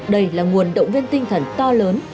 đây là nguồn động viên tinh thần to lớn